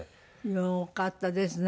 よかったですね